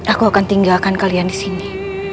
aku akan tinggalkan kalian di sini